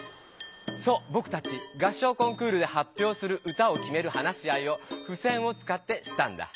そうぼくたち合唱コンクールではっぴょうする歌をきめる話し合いをふせんをつかってしたんだ。